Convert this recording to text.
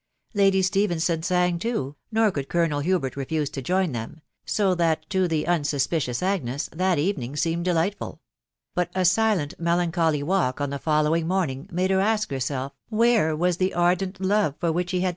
Lady Stephenson sang too, nor could Colonel Hubert refuse to join them, so that to the unsuspicious Agnes that evening seemed delightful ; bat a silent, melancholy walk on the following morning made her ask herself where was the *r<tent \on^ lot ^\£\<3el Yfe tad.